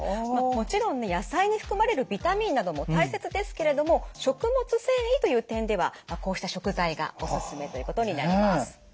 まあもちろんね野菜に含まれるビタミンなども大切ですけれども食物繊維という点ではこうした食材がおすすめということになります。